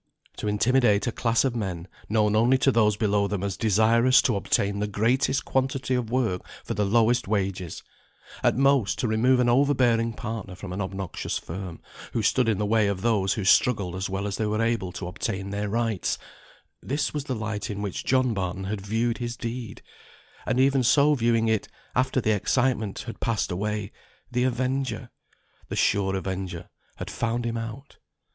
To intimidate a class of men, known only to those below them as desirous to obtain the greatest quantity of work for the lowest wages, at most to remove an overbearing partner from an obnoxious firm, who stood in the way of those who struggled as well as they were able to obtain their rights, this was the light in which John Barton had viewed his deed; and even so viewing it, after the excitement had passed away, the Avenger, the sure Avenger, had found him out.